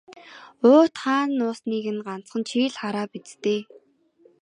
Уут хаана нуусныг ганцхан чи л хараа биз дээ.